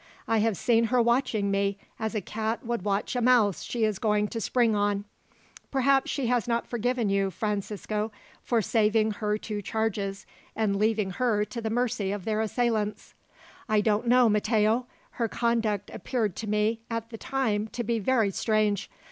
I have seen her watching me, as a cat would watch a mouse she is going to spring on." "Perhaps she has not forgiven you, Francisco, for saving her two charges, and leaving her to the mercy of their assailants." "I don't know, Matteo. Her conduct appeared to me, at the time, to be very strange.